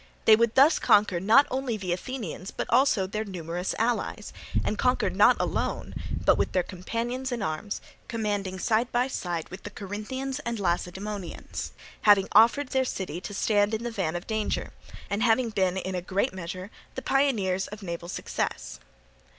They would thus conquer not only the Athenians but also their numerous allies, and conquer not alone, but with their companions in arms, commanding side by side with the Corinthians and Lacedaemonians, having offered their city to stand in the van of danger, and having been in a great measure the pioneers of naval success.